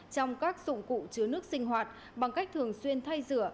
trong các dụng cụ chứa nước sinh hoạt bằng cách thường xuyên thay rửa